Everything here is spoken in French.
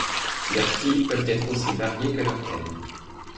Leurs styles peuvent être aussi variés que leurs thèmes.